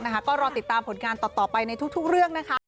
ก็รอติดตามผลงานต่อไปในทุกเรื่องนะคะ